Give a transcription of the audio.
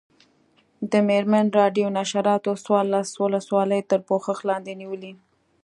د مېرمن راډیو نشراتو څوارلس ولسوالۍ تر پوښښ لاندې نیولي.